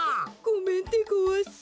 ごめんでごわす。